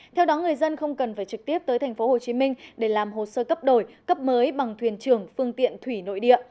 theo đó người dân không cần phải trực tiếp tới tp hcm để làm hồ sơ cấp đổi cấp mới bằng thuyền trưởng phương tiện thủy nội địa